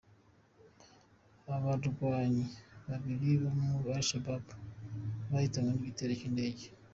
Abarwamyi babiri ba AliShababu bahitanwe n’igitero cy’indege